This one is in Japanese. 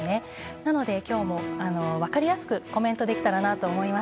なので、今日も分かりやすくコメントできたらなと思います。